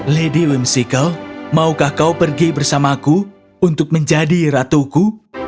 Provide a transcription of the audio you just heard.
lady whimsical maukah kau pergi bersamaku untuk menjadi ratuku